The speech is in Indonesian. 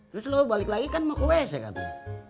terus lo balik lagi kan mau ke wc kata